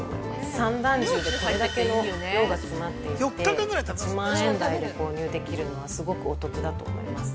三段重でこれだけの量が詰まっていて１万円台で購入できるのはすごくお得だと思います。